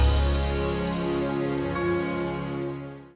itu masalah alex sama reva